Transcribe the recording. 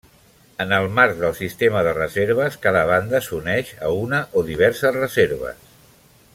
En el marc del sistema de reserves, cada banda s'uneix a una o diverses reserves.